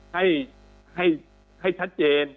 ให้ให้ให้ชัดเจน